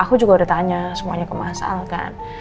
aku juga udah tanya semuanya ke mas al kan